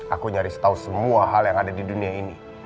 aku nyaris tahu semua hal yang ada di dunia ini